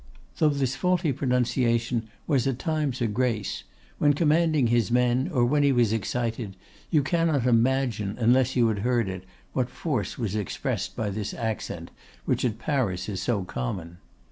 Though this faulty pronunciation was at times a grace, when commanding his men, or when he was excited, you cannot imagine, unless you had heard it, what force was expressed by this accent, which at Paris is so common.